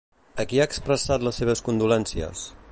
A qui ha expressat les seves condolences?